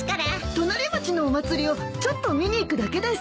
隣町のお祭りをちょっと見に行くだけです。